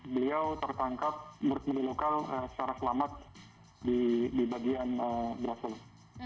beliau tertangkap menurut media lokal secara selamat di bagian brazil